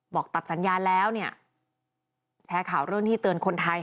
ตัดสัญญาแล้วเนี่ยแชร์ข่าวเรื่องที่เตือนคนไทย